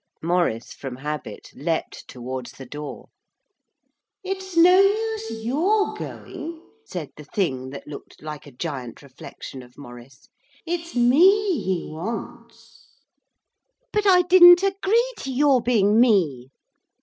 Maurice, from habit, leaped towards the door. 'It's no use your going,' said the thing that looked like a giant reflection of Maurice; 'it's me he wants.' 'But I didn't agree to your being me.'